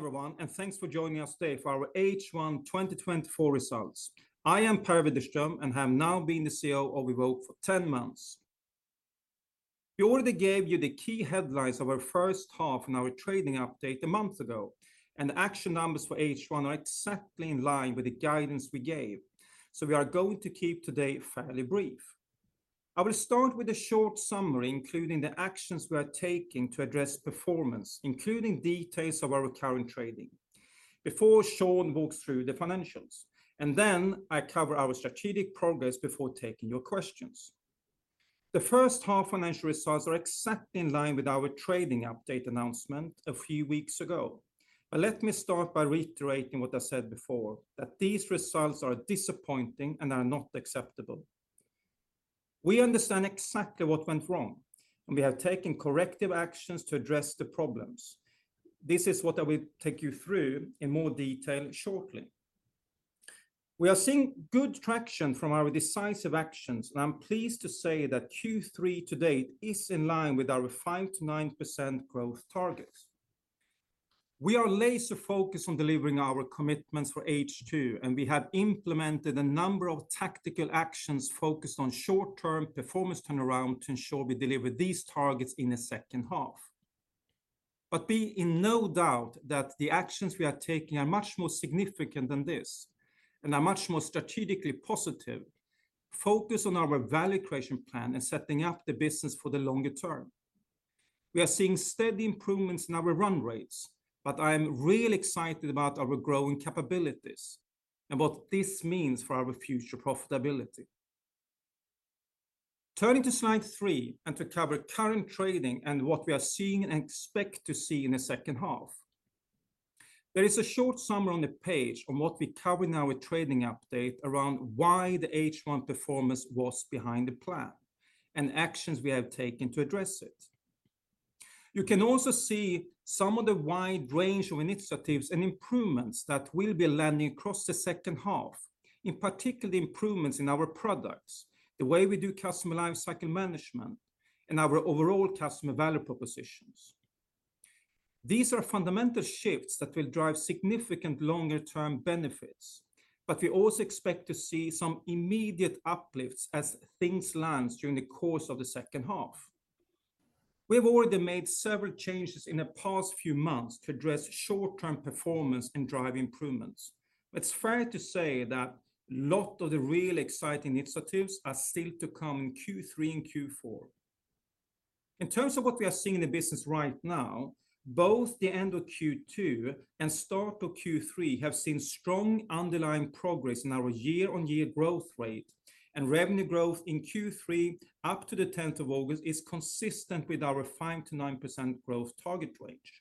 Good morning, everyone, and thanks for joining us today for our H1 2024 results. I am Per Widerström, and have now been the CEO of evoke for 10 months. We already gave you the key headlines of our first half in our trading update a month ago, and the actual numbers for H1 are exactly in line with the guidance we gave, so we are going to keep today fairly brief. I will start with a short summary, including the actions we are taking to address performance, including details of our recurring trading, before Sean walks through the financials. Then I cover our strategic progress before taking your questions. The first half financial results are exactly in line with our trading update announcement a few weeks ago. But let me start by reiterating what I said before, that these results are disappointing and are not acceptable. We understand exactly what went wrong, and we have taken corrective actions to address the problems. This is what I will take you through in more detail shortly. We are seeing good traction from our decisive actions, and I'm pleased to say that Q3 to date is in line with our 5%-9% growth targets. We are laser focused on delivering our commitments for H2, and we have implemented a number of tactical actions focused on short-term performance turnaround to ensure we deliver these targets in the second half. But be in no doubt that the actions we are taking are much more significant than this and are much more strategically positive, focused on our value creation plan and setting up the business for the longer term. We are seeing steady improvements in our run rates, but I am really excited about our growing capabilities and what this means for our future profitability. Turning to Slide Three, and to cover current trading and what we are seeing and expect to see in the second half. There is a short summary on the page on what we covered in our trading update around why the H1 performance was behind the plan and actions we have taken to address it. You can also see some of the wide range of initiatives and improvements that will be landing across the second half, in particular, the improvements in our products, the way we do customer life cycle management, and our overall customer value propositions. These are fundamental shifts that will drive significant longer-term benefits, but we also expect to see some immediate uplifts as things land during the course of the second half. We have already made several changes in the past few months to address short-term performance and drive improvements. It's fair to say that a lot of the really exciting initiatives are still to come in Q3 and Q4. In terms of what we are seeing in the business right now, both the end of Q2 and start of Q3 have seen strong underlying progress in our year-on-year growth rate, and revenue growth in Q3, up to the tenth of August, is consistent with our 5%-9% growth target range.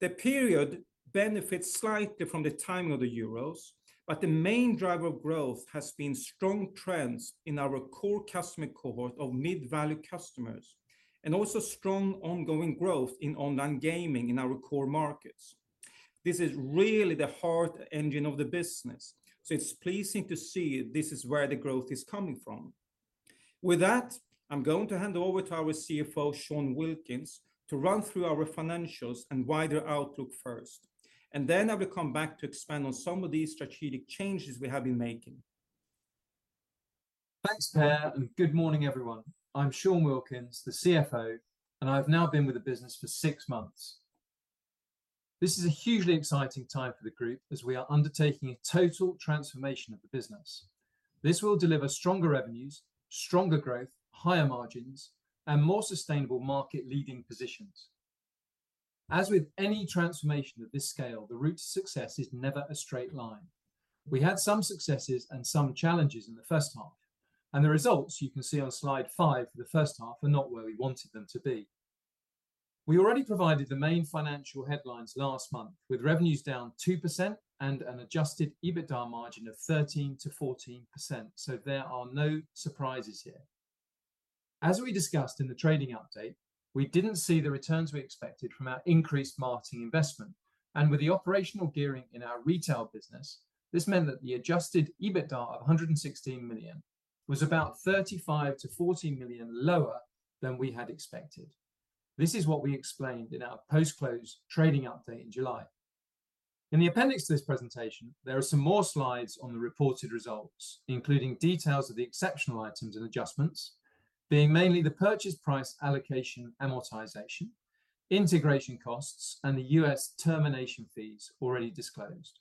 The period benefits slightly from the timing of the Euros, but the main driver of growth has been strong trends in our core customer cohort of mid-value customers, and also strong ongoing growth in online gaming in our core markets. This is really the heart engine of the business, so it's pleasing to see this is where the growth is coming from. With that, I'm going to hand over to our CFO, Sean Wilkins, to run through our financials and wider outlook first, and then I will come back to expand on some of these strategic changes we have been making. Thanks, Per, and good morning, everyone. I'm Sean Wilkins, the CFO, and I've now been with the business for six months. This is a hugely exciting time for the group as we are undertaking a total transformation of the business. This will deliver stronger revenues, stronger growth, higher margins, and more sustainable market-leading positions. As with any transformation of this scale, the route to success is never a straight line. We had some successes and some challenges in the first half, and the results you can see on Slide Five for the first half are not where we wanted them to be. We already provided the main financial headlines last month, with revenues down 2% and an Adjusted EBITDA margin of 13%-14%, so there are no surprises here. As we discussed in the trading update, we didn't see the returns we expected from our increased marketing investment, and with the operational gearing in our retail business, this meant that the Adjusted EBITDA of 116 million was about 35 million-40 million lower than we had expected. This is what we explained in our post-close trading update in July. In the appendix to this presentation, there are some more slides on the reported results, including details of the exceptional items and adjustments, being mainly the purchase price allocation, amortization, integration costs, and the U.S. termination fees already disclosed.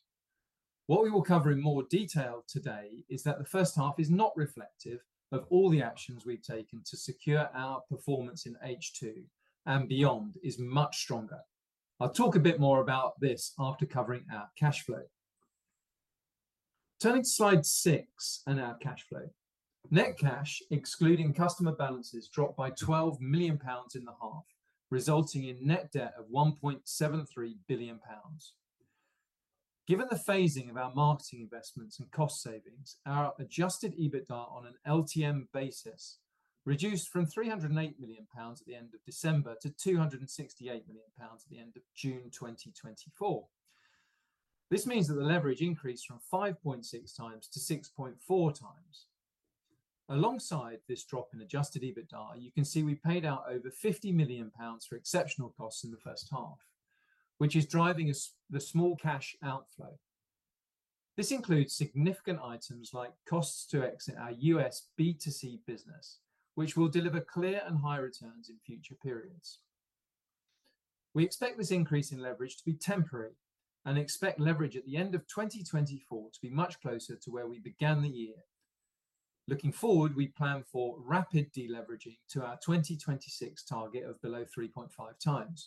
What we will cover in more detail today is that the first half is not reflective of all the actions we've taken to secure our performance in H2, and beyond is much stronger. I'll talk a bit more about this after covering our cash flow. Turning to Slide Six and our cash flow. Net cash, excluding customer balances, dropped by 12 million pounds in the half, resulting in net debt of 1.73 billion pounds. Given the phasing of our marketing investments and cost savings, our Adjusted EBITDA on an LTM basis reduced from 308 million pounds at the end of December to 268 million pounds at the end of June 2024. This means that the leverage increased from 5.6x to 6.4x. Alongside this drop in Adjusted EBITDA, you can see we paid out over 50 million pounds for exceptional costs in the first half, which is driving us the small cash outflow. This includes significant items like costs to exit our U.S. B2C business, which will deliver clear and high returns in future periods. We expect this increase in leverage to be temporary and expect leverage at the end of 2024 to be much closer to where we began the year. Looking forward, we plan for rapid deleveraging to our 2026 target of below 3.5x.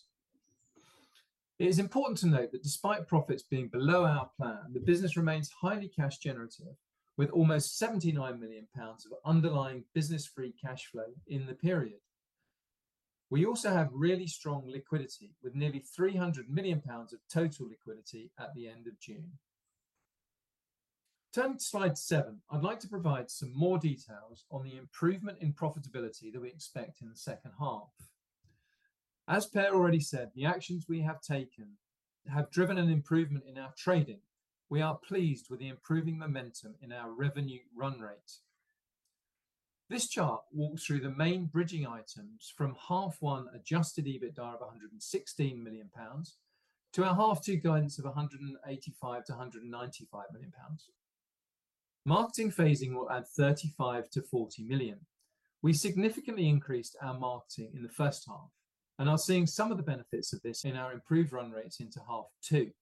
It is important to note that despite profits being below our plan, the business remains highly cash generative, with almost 79 million pounds of underlying business free cash flow in the period. We also have really strong liquidity, with nearly 300 million pounds of total liquidity at the end of June. Turning to Slide Seven, I'd like to provide some more details on the improvement in profitability that we expect in the second half. As Per already said, the actions we have taken have driven an improvement in our trading. We are pleased with the improving momentum in our revenue run rate. This chart walks through the main bridging items from half one Adjusted EBITDA of 116 million pounds, to our half two guidance of 185 million-195 million pounds. Marketing phasing will add 35 million-40 million. We significantly increased our marketing in the first half and are seeing some of the benefits of this in our improved run rates into half two.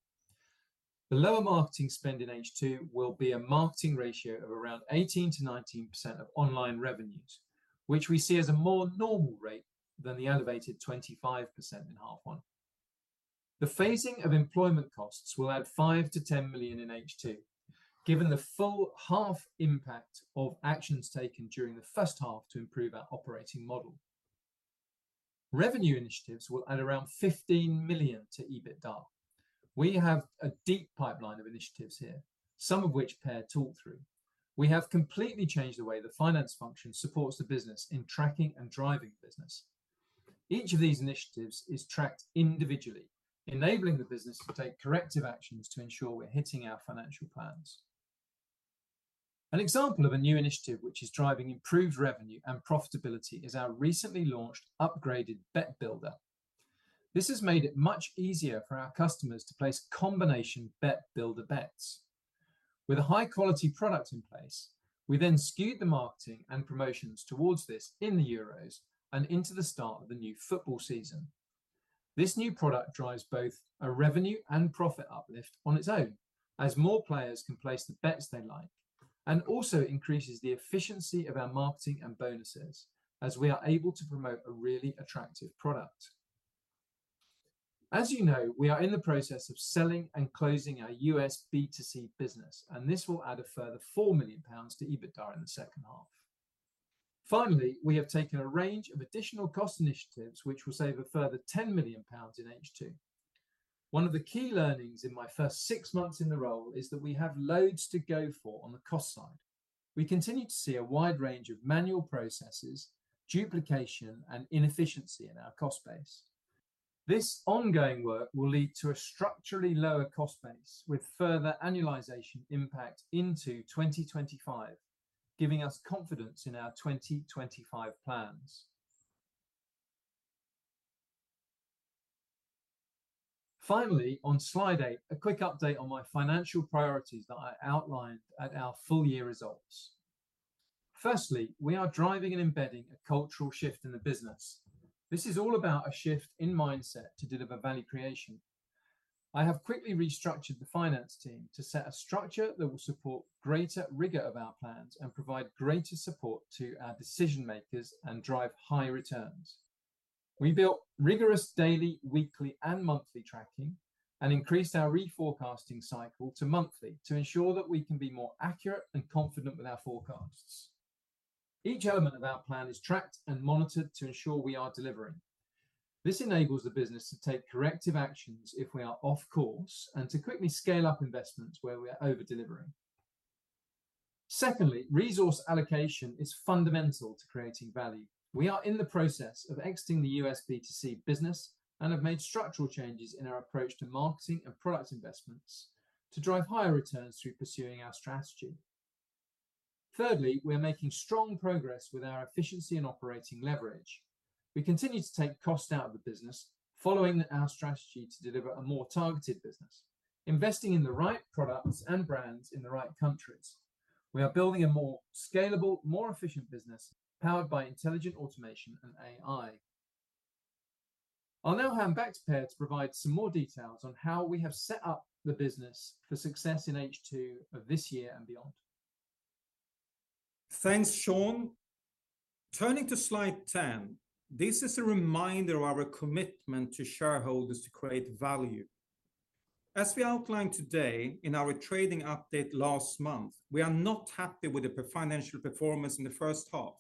The lower marketing spend in H2 will be a marketing ratio of around 18%-19% of online revenues, which we see as a more normal rate than the elevated 25% in half one. The phasing of employment costs will add 5 million-10 million in H2, given the full half impact of actions taken during the first half to improve our operating model. Revenue initiatives will add around 15 million to EBITDA. We have a deep pipeline of initiatives here, some of which Per talked through. We have completely changed the way the finance function supports the business in tracking and driving business. Each of these initiatives is tracked individually, enabling the business to take corrective actions to ensure we're hitting our financial plans. An example of a new initiative which is driving improved revenue and profitability is our recently launched upgraded Bet Builder. This has made it much easier for our customers to place combination Bet Builder bets. With a high-quality product in place, we then skewed the marketing and promotions towards this in the Euros and into the start of the new football season. This new product drives both a revenue and profit uplift on its own, as more players can place the bets they like, and also increases the efficiency of our marketing and bonuses, as we are able to promote a really attractive product. As you know, we are in the process of selling and closing our US B2C business, and this will add a further 4 million pounds to EBITDA in the second half. Finally, we have taken a range of additional cost initiatives, which will save a further 10 million pounds in H2. One of the key learnings in my first six months in the role is that we have loads to go for on the cost side. We continue to see a wide range of manual processes, duplication, and inefficiency in our cost base. This ongoing work will lead to a structurally lower cost base, with further annualization impact into 2025, giving us confidence in our 2025 plans. Finally, on Slide Eight, a quick update on my financial priorities that I outlined at our full-year results. Firstly, we are driving and embedding a cultural shift in the business. This is all about a shift in mindset to deliver value creation. I have quickly restructured the finance team to set a structure that will support greater rigor of our plans and provide greater support to our decision makers and drive higher returns. We built rigorous daily, weekly, and monthly tracking and increased our reforecasting cycle to monthly, to ensure that we can be more accurate and confident with our forecasts. Each element of our plan is tracked and monitored to ensure we are delivering. This enables the business to take corrective actions if we are off course, and to quickly scale up investments where we are over-delivering. Secondly, resource allocation is fundamental to creating value. We are in the process of exiting the U.S. B2C business and have made structural changes in our approach to marketing and product investments to drive higher returns through pursuing our strategy. Thirdly, we are making strong progress with our efficiency and operating leverage. We continue to take cost out of the business following our strategy to deliver a more targeted business, investing in the right products and brands in the right countries. We are building a more scalable, more efficient business powered by intelligent automation and AI. I'll now hand back to Per to provide some more details on how we have set up the business for success in H2 of this year and beyond. Thanks, Sean. Turning to Slide 10, this is a reminder of our commitment to shareholders to create value. As we outlined today in our trading update last month, we are not happy with the financial performance in the first half.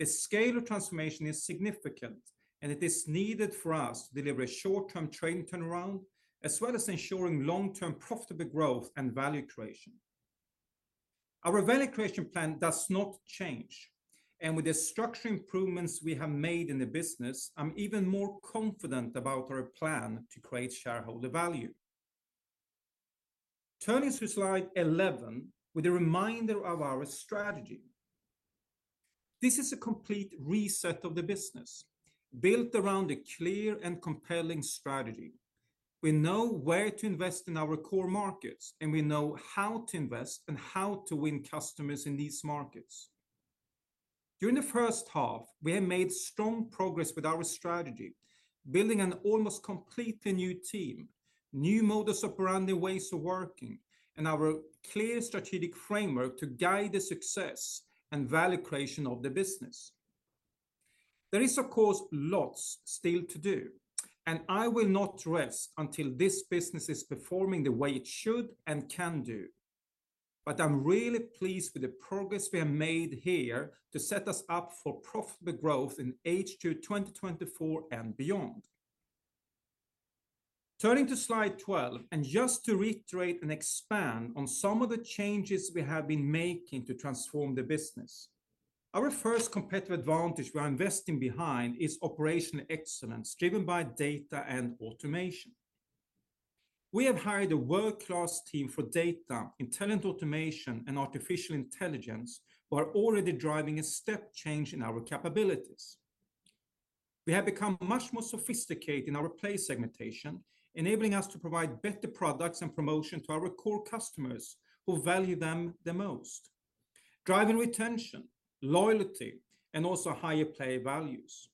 The scale of transformation is significant, and it is needed for us to deliver a short-term trading turnaround, as well as ensuring long-term profitable growth and value creation. Our value creation plan does not change, and with the structural improvements we have made in the business, I'm even more confident about our plan to create shareholder value. Turning to Slide 11, with a reminder of our strategy. This is a complete reset of the business, built around a clear and compelling strategy. We know where to invest in our core markets, and we know how to invest and how to win customers in these markets. During the first half, we have made strong progress with our strategy, building an almost completely new team, new modus operandi ways of working, and our clear strategic framework to guide the success and value creation of the business. There is, of course, lots still to do, and I will not rest until this business is performing the way it should and can do. But I'm really pleased with the progress we have made here to set us up for profitable growth in H2 2024 and beyond. Turning to Slide 12, and just to reiterate and expand on some of the changes we have been making to transform the business. Our first competitive advantage we are investing behind is operational excellence, driven by data and automation. We have hired a world-class team for data, intelligent automation, and artificial intelligence, who are already driving a step change in our capabilities. We have become much more sophisticated in our player segmentation, enabling us to provide better products and promotion to our core customers who value them the most, driving retention, loyalty, and also higher player values.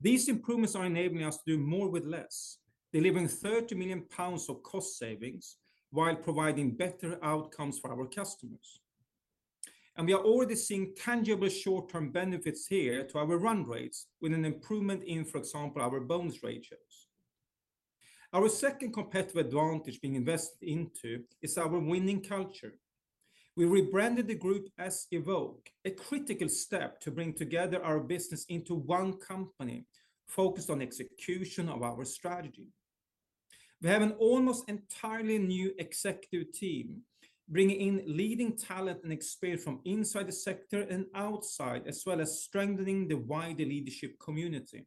These improvements are enabling us to do more with less, delivering 30 million pounds of cost savings while providing better outcomes for our customers. We are already seeing tangible short-term benefits here to our run rates with an improvement in, for example, our bonus ratios. Our second competitive advantage being invested into is our winning culture. We rebranded the group as evoke, a critical step to bring together our business into one company focused on execution of our strategy. We have an almost entirely new executive team, bringing in leading talent and experience from inside the sector and outside, as well as strengthening the wider leadership community.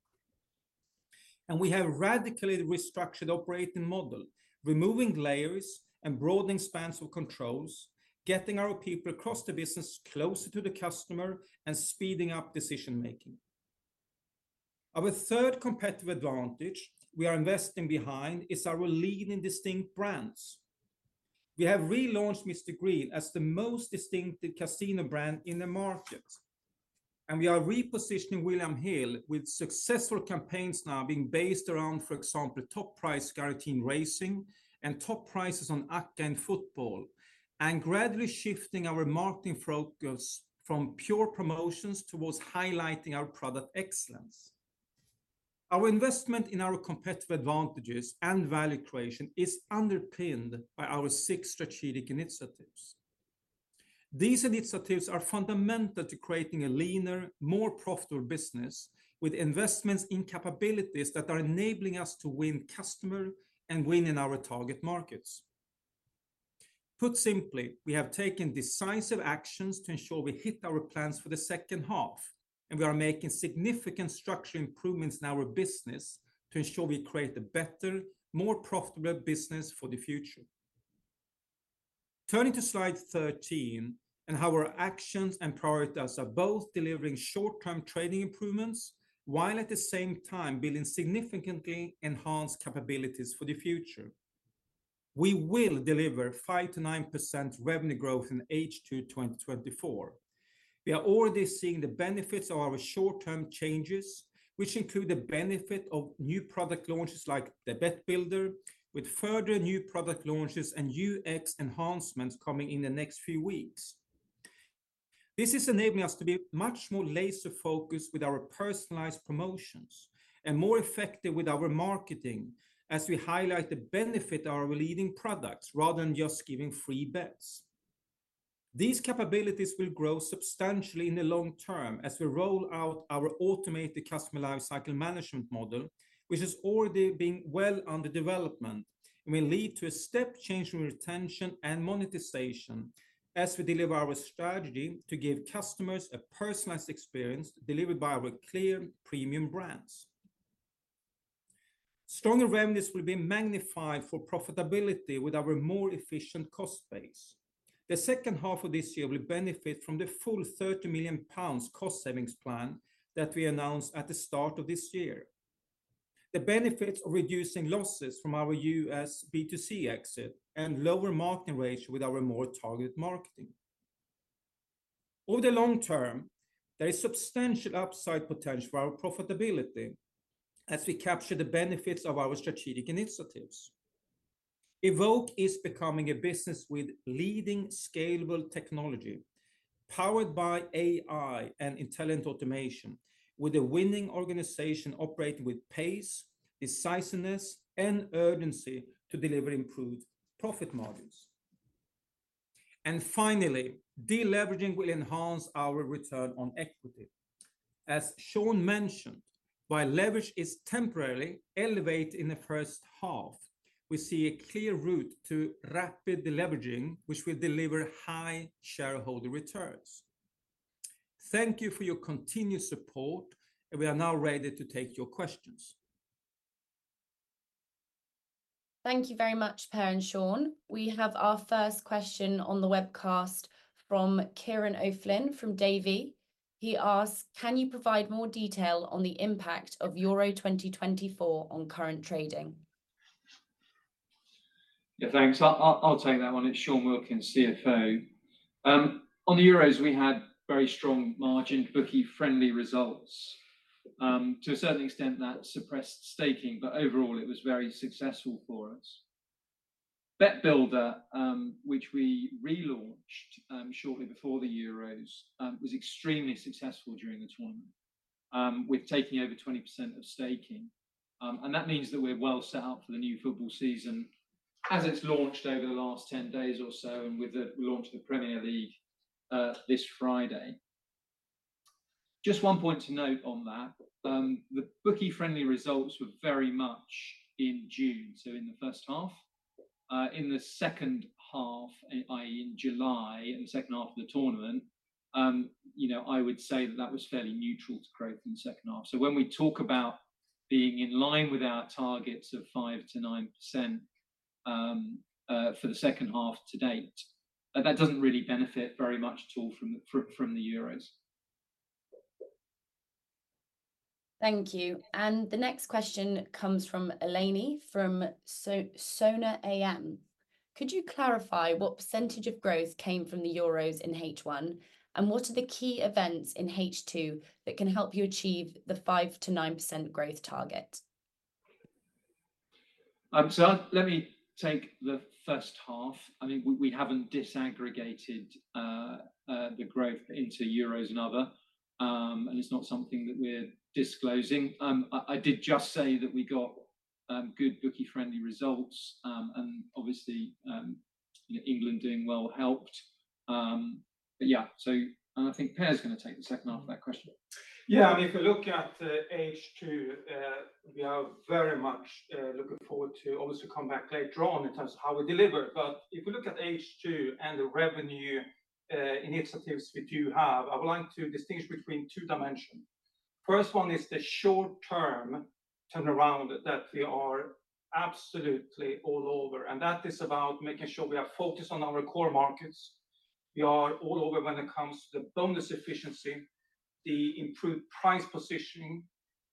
We have radically restructured operating model, removing layers and broadening spans of controls, getting our people across the business closer to the customer and speeding up decision-making. Our third competitive advantage we are investing behind is our leading distinct brands. We have relaunched Mr Green as the most distinctive casino brand in the market, and we are repositioning William Hill, with successful campaigns now being based around, for example, top price guaranteed racing and top prices on acca and football, and gradually shifting our marketing focus from pure promotions towards highlighting our product excellence. Our investment in our competitive advantages and value creation is underpinned by our six strategic initiatives. These initiatives are fundamental to creating a leaner, more profitable business, with investments in capabilities that are enabling us to win customer and win in our target markets. Put simply, we have taken decisive actions to ensure we hit our plans for the second half, and we are making significant structural improvements in our business to ensure we create a better, more profitable business for the future. Turning to Slide 13, and how our actions and priorities are both delivering short-term trading improvements, while at the same time building significantly enhanced capabilities for the future. We will deliver 5%-9% revenue growth in H2 2024. We are already seeing the benefits of our short-term changes, which include the benefit of new product launches like the Bet Builder, with further new product launches and UX enhancements coming in the next few weeks. This is enabling us to be much more laser-focused with our personalized promotions and more effective with our marketing as we highlight the benefit of our leading products rather than just giving free bets. These capabilities will grow substantially in the long term as we roll out our automated customer lifecycle management model, which is already being well under development, and will lead to a step change in retention and monetization as we deliver our strategy to give customers a personalized experience delivered by our clear premium brands. Stronger revenues will be magnified for profitability with our more efficient cost base. The second half of this year will benefit from the full 30 million pounds cost savings plan that we announced at the start of this year. The benefits of reducing losses from our U.S. B2C exit and lower marketing ratio with our more targeted marketing. Over the long term, there is substantial upside potential for our profitability as we capture the benefits of our strategic initiatives. evoke is becoming a business with leading scalable technology, powered by AI and intelligent automation, with a winning organization operating with pace, decisiveness, and urgency to deliver improved profit margins. And finally, deleveraging will enhance our return on equity, as Sean mentioned, while leverage is temporarily elevated in the first half, we see a clear route to rapid deleveraging, which will deliver high shareholder returns. Thank you for your continued support, and we are now ready to take your questions. Thank you very much, Per and Sean. We have our first question on the webcast from Ciaran O'Flynn from Davy. He asks: Can you provide more detail on the impact of Euro 2024 on current trading? Yeah, thanks. I'll take that one. It's Sean Wilkins, CFO. On the Euros, we had very strong margin bookie-friendly results. To a certain extent, that suppressed staking, but overall it was very successful for us. Bet Builder, which we relaunched shortly before the Euros, was extremely successful during the tournament, with taking over 20% of staking. And that means that we're well set up for the new football season as it's launched over the last 10 days or so, and with the launch of the Premier League this Friday. Just one point to note on that, the bookie-friendly results were very much in June, so in the first half. In the second half, i.e., in July, in the second half of the tournament, you know, I would say that that was fairly neutral to growth in the second half. So when we talk about being in line with our targets of 5%-9%, for the second half to date, that doesn't really benefit very much at all from the Euros. Thank you. The next question comes from Eleni from Sona AM. Could you clarify what percentage of growth came from the Euros in H1? And what are the key events in H2 that can help you achieve the 5%-9% growth target? So let me take the first half. I mean, we haven't disaggregated the growth into Euros and other, and it's not something that we're disclosing. I did just say that we got good bookie-friendly results. And obviously, you know, England doing well helped. But yeah, so and I think Per's gonna take the second half of that question. Yeah, if you look at H2, we are very much looking forward to obviously come back later on in terms of how we deliver. But if you look at H2 and the revenue initiatives we do have, I would like to distinguish between two dimension. First one is the short term turnaround that we are absolutely all over, and that is about making sure we are focused on our core markets. We are all over when it comes to the bonus efficiency, the improved price positioning,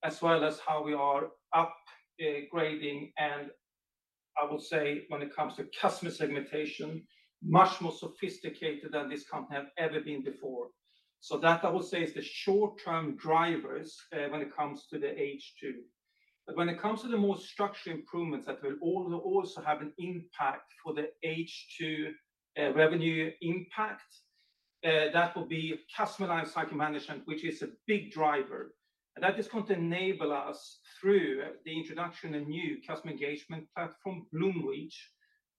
as well as how we are upgrading, and I would say when it comes to customer segmentation, much more sophisticated than this company have ever been before. So that, I would say, is the short-term drivers when it comes to the H2. But when it comes to the more structural improvements that will also have an impact for the H2, revenue impact, that will be customer life cycle management, which is a big driver. And that is going to enable us, through the introduction of new customer engagement platform, Bloomreach,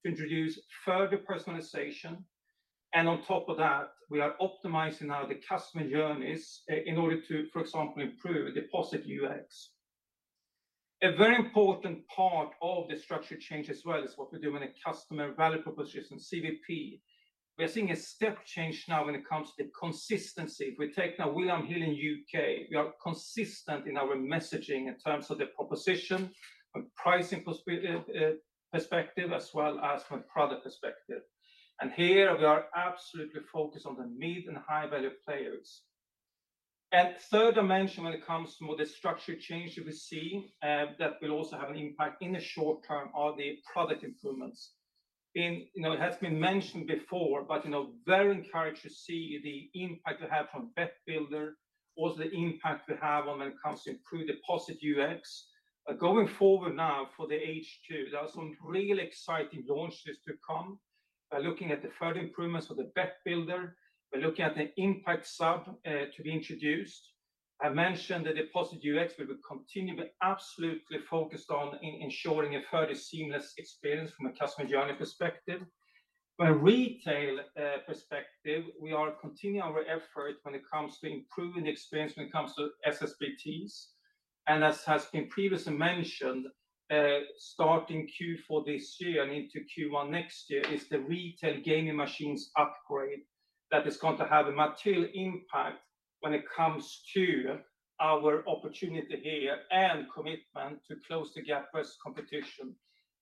to introduce further personalization. And on top of that, we are optimizing now the customer journeys in order to, for example, improve the deposit UX. A very important part of the structure change as well is what we do in a customer value proposition, CVP. We are seeing a step change now when it comes to the consistency. If we take now William Hill in U.K., we are consistent in our messaging in terms of the proposition, from pricing perspective, as well as from a product perspective. Here we are absolutely focused on the mid and high-value players. Third dimension when it comes to more the structure change that we see, that will also have an impact in the short term, are the product improvements. You know, it has been mentioned before, but, you know, very encouraged to see the impact we have from Bet Builder, also the impact we have when it comes to improved deposit UX. Going forward now for the H2, there are some real exciting launches to come. Looking at the further improvements for the Bet Builder. We're looking at the Impact Sub, to be introduced. I mentioned the deposit UX, we will continue, but absolutely focused on ensuring a further seamless experience from a customer journey perspective. From a retail perspective, we are continuing our effort when it comes to improving the experience when it comes to SSBTs. And as has been previously mentioned, starting Q4 this year and into Q1 next year, is the retail gaming machines upgrade that is going to have a material impact when it comes to our opportunity here and commitment to close the gap with competition.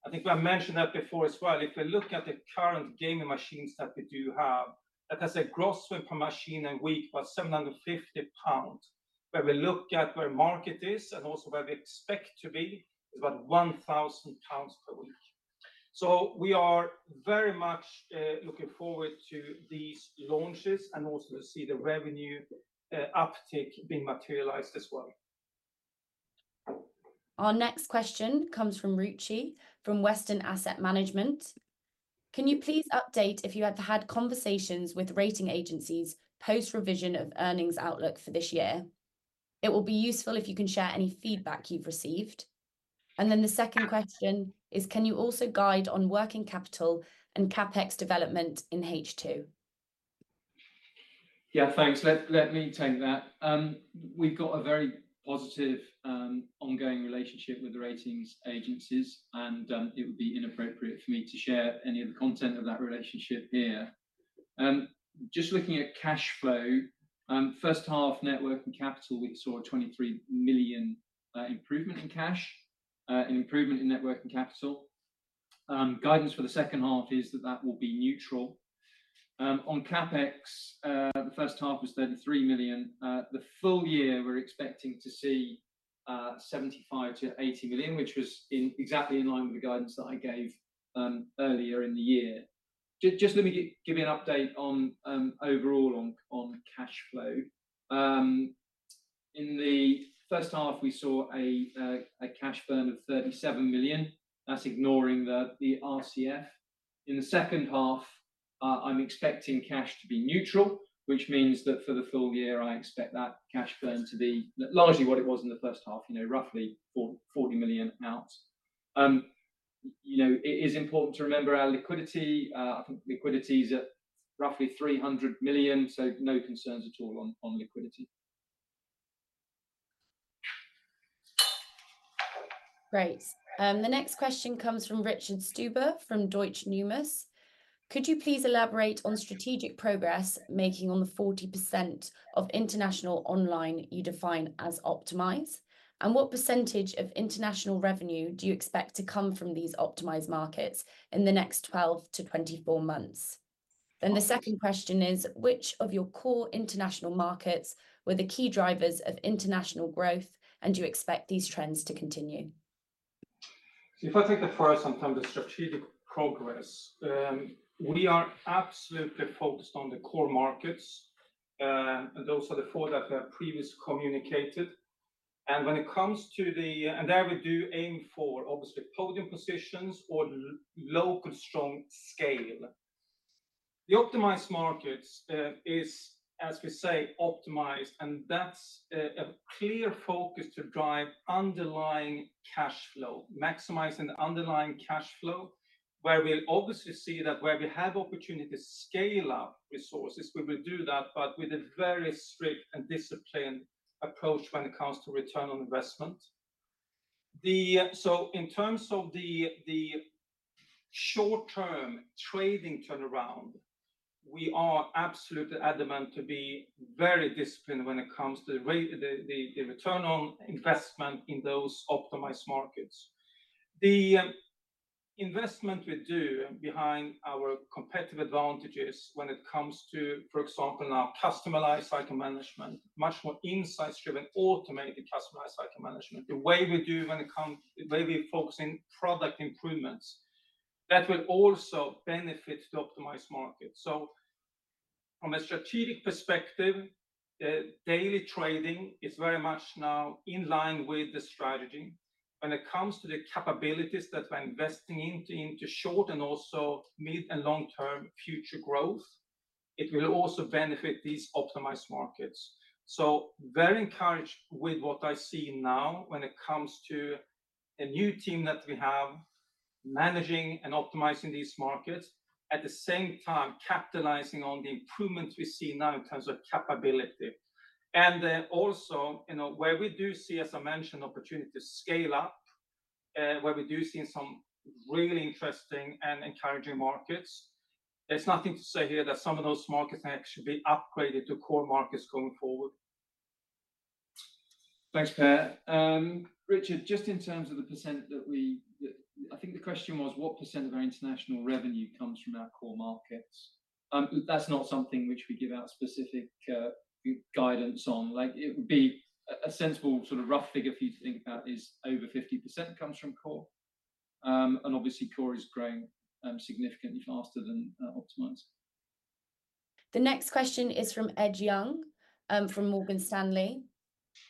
I think we have mentioned that before as well. If you look at the current gaming machines that we do have, that has a gross win per machine a week, about 750 pounds. When we look at where market is and also where we expect to be, it's about 1,000 pounds per week. So we are very much looking forward to these launches and also to see the revenue uptick being materialized as well. Our next question comes from Ruchi, from Western Asset Management. Can you please update if you have had conversations with rating agencies, post-revision of earnings outlook for this year? It will be useful if you can share any feedback you've received. And then the second question is, can you also guide on working capital and CapEx development in H2? Yeah, thanks. Let me take that. We've got a very positive, ongoing relationship with the ratings agencies, and, it would be inappropriate for me to share any of the content of that relationship here. Just looking at cash flow, first half net working capital, we saw a 23 million improvement in cash, an improvement in net working capital. Guidance for the second half is that that will be neutral. On CapEx, the first half was 33 million. The full year, we're expecting to see 75 million-80 million, which was exactly in line with the guidance that I gave earlier in the year. Just let me give you an update on overall on cash flow. In the first half, we saw a cash burn of 37 million. That's ignoring the RCF. In the second half, I'm expecting cash to be neutral, which means that for the full year, I expect that cash burn to be largely what it was in the first half, you know, roughly 40 million out. You know, it is important to remember our liquidity. I think liquidity is at roughly 300 million, so no concerns at all on liquidity. Great. The next question comes from Richard Stuber, from Deutsche Numis. Could you please elaborate on strategic progress making on the 40% of international online you define as optimized? And what percentage of international revenue do you expect to come from these optimized markets in the next 12-24 months? Then the second question is, which of your core international markets were the key drivers of international growth, and do you expect these trends to continue? If I take the first one kind of the strategic progress, we are absolutely focused on the core markets, and those are the four that were previously communicated. And when it comes to them, there we do aim for, obviously, podium positions or local strong scale. The optimized markets is, as we say, optimized, and that's a clear focus to drive underlying cash flow, maximizing the underlying cash flow. Where we'll obviously see that where we have opportunity to scale up resources, we will do that, but with a very strict and disciplined approach when it comes to return on investment. So in terms of the short-term trading turnaround, we are absolutely adamant to be very disciplined when it comes to the return on investment in those optimized markets. The investment we do behind our competitive advantages when it comes to, for example, now customized cycle management, much more insights-driven, automated, customized cycle management. The way we do, the way we focus in product improvements, that will also benefit the optimized market. So from a strategic perspective, daily trading is very much now in line with the strategy. When it comes to the capabilities that we're investing into, into short and also mid and long-term future growth, it will also benefit these optimized markets. So very encouraged with what I see now when it comes to a new team that we have, managing and optimizing these markets, at the same time, capitalizing on the improvements we see now in terms of capability. And then also, you know, where we do see, as I mentioned, opportunity to scale up, where we do see some really interesting and encouraging markets, there's nothing to say here that some of those markets actually be upgraded to core markets going forward. Thanks, Per. Richard, just in terms of the percent that we... I think the question was, what percentage of our international revenue comes from our core markets? That's not something which we give out specific guidance on. Like, it would be a sensible sort of rough figure for you to think about is over 50% comes from core. And obviously core is growing significantly faster than optimized. The next question is from Ed Young from Morgan Stanley.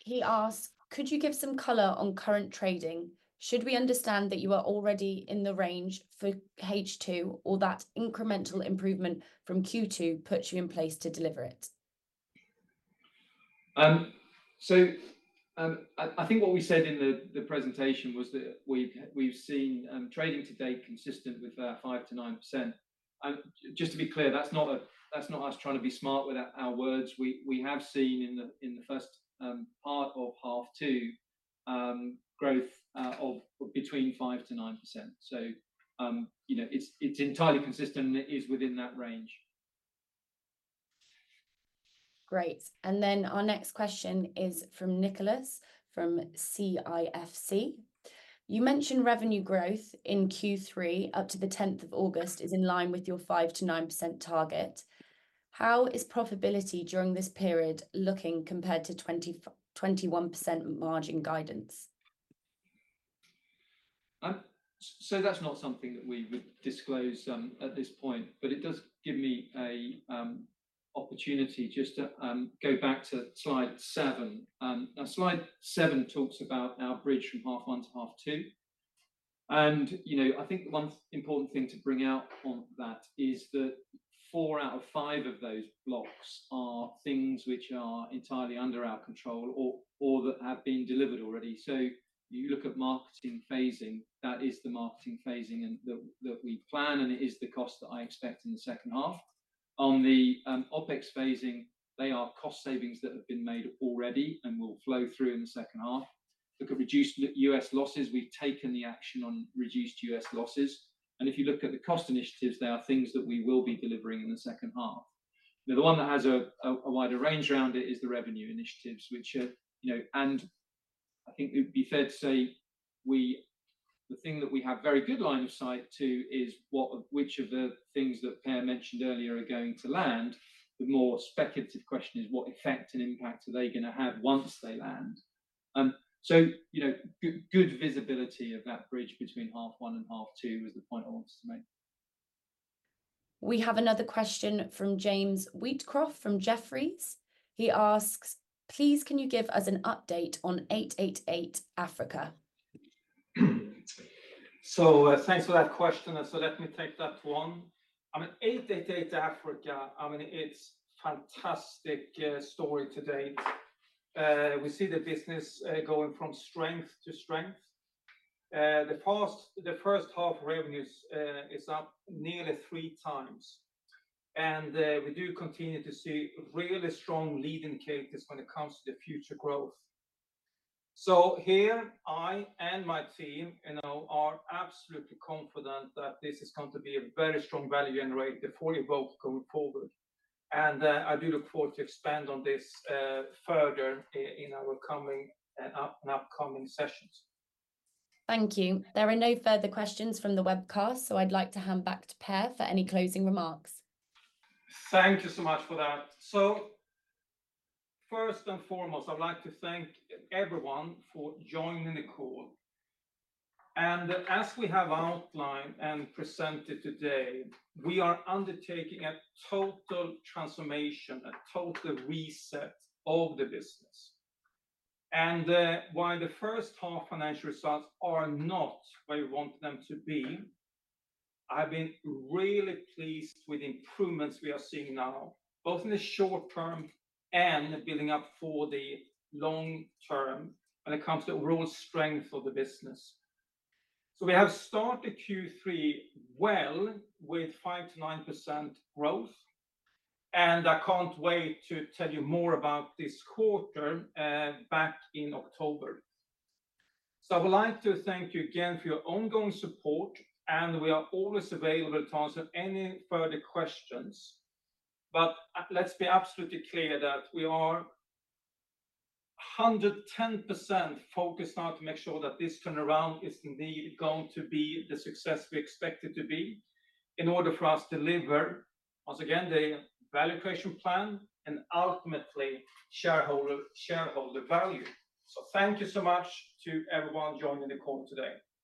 He asks, "Could you give some color on current trading? Should we understand that you are already in the range for H2, or that incremental improvement from Q2 puts you in place to deliver it? So, I think what we said in the presentation was that we've seen trading to date consistent with 5%-9%. And just to be clear, that's not us trying to be smart with our words. We have seen in the first part of half two growth of between 5%-9%. So, you know, it's entirely consistent, and it is within that range. Great. And then our next question is from Nicholas, from CIFC. "You mentioned revenue growth in Q3 up to the tenth of August is in line with your 5%-9% target. How is profitability during this period looking compared to 21% margin guidance? So that's not something that we would disclose at this point, but it does give me an opportunity just to go back to Slide Seven. Now Slide Seven talks about our bridge from half one to half two. And, you know, I think one important thing to bring out on that is that 4/5 of those blocks are things which are entirely under our control or that have been delivered already. So you look at marketing phasing, that is the marketing phasing and that we plan, and it is the cost that I expect in the second half. On the OpEx phasing, they are cost savings that have been made already and will flow through in the second half. Look at reduced U.S. losses, we've taken the action on reduced U.S. losses. If you look at the cost initiatives, they are things that we will be delivering in the second half. Now, the one that has a wider range around it is the revenue initiatives, which are, you know. And I think it would be fair to say the thing that we have very good line of sight to is which of the things that Per mentioned earlier are going to land. The more speculative question is, what effect and impact are they gonna have once they land? So, you know, good visibility of that bridge between half one and half two is the point I wanted to make. We have another question from James Wheatcroft from Jefferies. He asks, "Please, can you give us an update on 888 Africa? So, thanks for that question. So let me take that one. I mean, 888 Africa, I mean, it's fantastic story to date. We see the business going from strength to strength. The first half revenues is up nearly 3x, and we do continue to see really strong lead indicators when it comes to the future growth. So here, I and my team, you know, are absolutely confident that this is going to be a very strong value generator for evoke going forward. And I do look forward to expand on this further in our upcoming sessions. Thank you. There are no further questions from the webcast, so I'd like to hand back to Per for any closing remarks. Thank you so much for that. So first and foremost, I'd like to thank everyone for joining the call. And as we have outlined and presented today, we are undertaking a total transformation, a total reset of the business. And, while the first half financial results are not where we want them to be, I've been really pleased with the improvements we are seeing now, both in the short term and building up for the long term when it comes to overall strength of the business. So we have started Q3 well, with 5%-9% growth, and I can't wait to tell you more about this quarter, back in October. So I would like to thank you again for your ongoing support, and we are always available to answer any further questions. But, let's be absolutely clear that we are 110% focused now to make sure that this turnaround is indeed going to be the success we expect it to be, in order for us to deliver, once again, the value creation plan and ultimately shareholder, shareholder value. So thank you so much to everyone joining the call today.